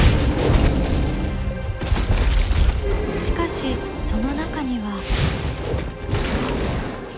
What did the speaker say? しかしその中には。